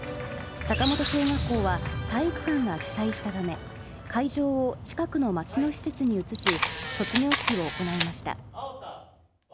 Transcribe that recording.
坂元小学校は、体育館が被災したため、会場を近くの町の施設に移し、卒業式を行いました。